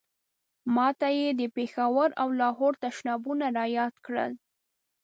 ما ته یې د پېښور او لاهور تشنابونه را یاد کړل.